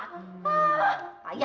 wah payah kamu ya